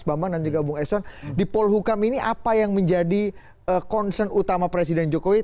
bambang dan juga bung eson di polhukam ini apa yang menjadi concern utama presiden jokowi